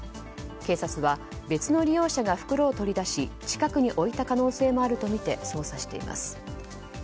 警察は別の利用者が袋を取り出し近くに置いた可能性もあるとみて捜査しています。